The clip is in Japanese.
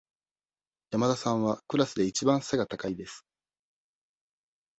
山田さんはクラスでいちばん背が高いです。